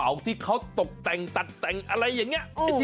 ในนี้พวกเพิ่มขนาด